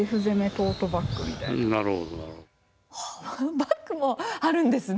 バッグもあるんですね。